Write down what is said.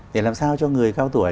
thì làm sao cho người cao tuổi